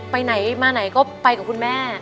ไปไหนมาไหนก็ไปกับคุณแม่